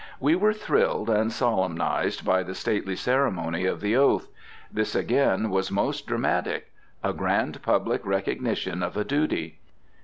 We were thrilled and solemnized by the stately ceremony of the oath. This again was most dramatic. A grand public recognition of a duty.